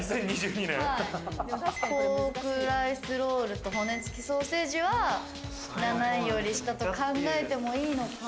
ポークライスロールと骨付きソーセージは７位より下と考えてもいいのか。